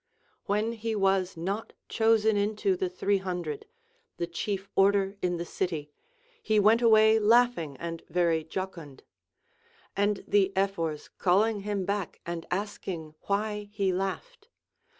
When he was not chosen into the three hundred (the chief order in the city), he went aAvay laughing and very jocund ; and the Epliors calling him back and asking why he laughed.